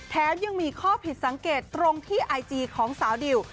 ยังมีข้อผิดสังเกตตรงที่ไอจีของสาวดิว